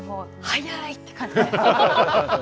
速いって感じで。